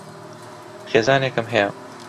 خێزانێکم ھەیە.